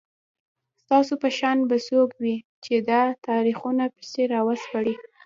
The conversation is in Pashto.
ستاسو په شان به څوک وي چي دا تاریخونه پسي راوسپړي